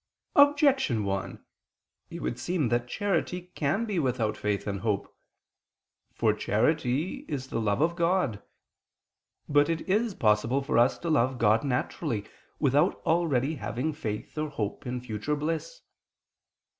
Objection 1: It would seem that charity can be without faith and hope. For charity is the love of God. But it is possible for us to love God naturally, without already having faith, or hope in future bliss.